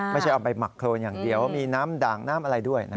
ไม่ใช่เอาไปหมักโครนอย่างเดียวมีน้ำด่างน้ำอะไรด้วย